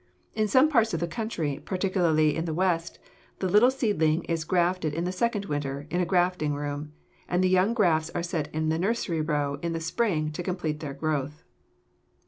In some parts of the country, particularly in the West, the little seedling is grafted in the second winter, in a grafting room, and the young grafts are set in the nursery row in the spring to complete their growth.